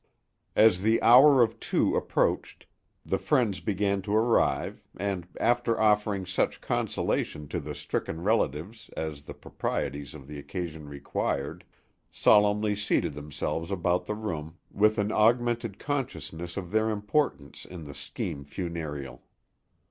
As the hour of two approached the friends began to arrive and after offering such consolation to the stricken relatives as the proprieties of the occasion required, solemnly seated themselves about the room with an augmented consciousness of their importance in the scheme funereal.